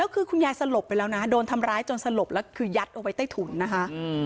คือคุณยายสลบไปแล้วนะโดนทำร้ายจนสลบแล้วคือยัดเอาไว้ใต้ถุนนะคะ